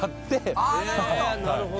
あぁなるほど。